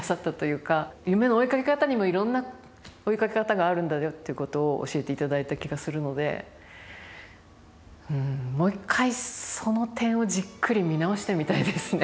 夢の追いかけ方にもいろんな追いかけ方があるんだよっていうことを教えていただいた気がするのでうんもう一回その点をじっくり見直してみたいですね